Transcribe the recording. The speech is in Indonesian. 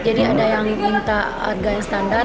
jadi ada yang minta harga yang standar